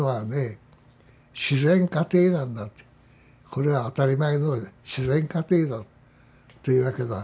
これは当たり前の自然過程だっていうわけだ。